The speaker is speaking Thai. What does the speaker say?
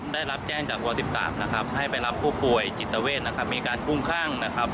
ได้รับแจ้งจากโรงพยาบาล๑๓นะครับให้ไปรับผู้ป่วยจิตเตอร์เวทมีการคุ้มข้างนะครับผม